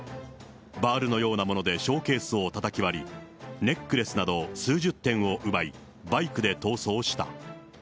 バールのようなものでショーケースをたたき割り、ネックレスなど数十点を奪い、バイクで逃走した。